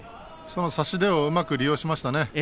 差し手をうまく利用しましたね。